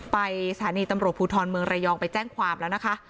สถานีตำรวจภูทรเมืองระยองไปแจ้งความแล้วนะคะ